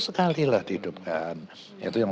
sekali lah dihidupkan itu yang